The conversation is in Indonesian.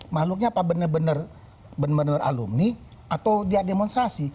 makhluknya apa benar benar alumni atau dia demonstrasi